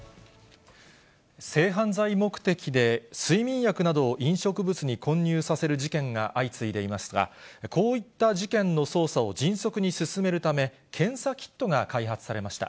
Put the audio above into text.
性犯罪目的で睡眠薬などを飲食物に混入させる事件が相次いでいましたが、こういった事件の捜査を迅速に進めるため、検査キットが開発されました。